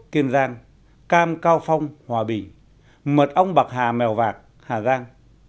kiên giang cam cao phong hòa bì mật ong bạc hà mèo vạc hà giang